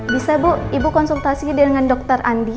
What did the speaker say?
bisa bu ibu konsultasi dengan dokter andi